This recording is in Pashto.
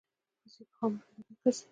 وزې په خاموش طبیعت ګرځي